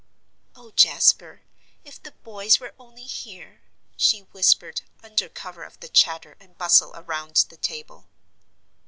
"Oh, Jasper, if the boys were only here!" she whispered, under cover of the chatter and bustle around the table.